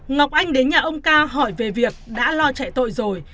ngọc anh đến nhà ông ca hỏi về việc đã lo chạy tội rồi